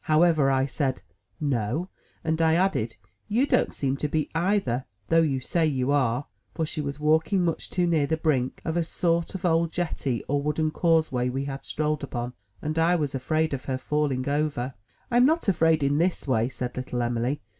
However, I said, "No," and I added, "You don't seem to be, either, though you say you are;" — for she was walking much too near the brink of a sort of old jetty or wooden causeway we had strolled upon, and I was afraid of her falling over. "I'm not afraid in this way," said little Em'ly.